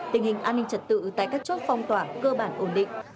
tình hình an ninh trật tự tại các chốt phong tỏa cơ bản ổn định